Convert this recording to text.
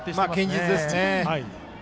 堅実ですね。